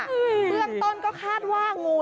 เบื้องต้นก็คาดว่างู